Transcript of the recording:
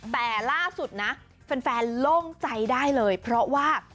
แต่ล่าสุดนะแฟนโล่งใจได้เลยเพราะว่า